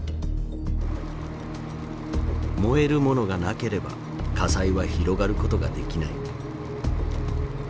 燃えるものがなければ火災は広がることができない。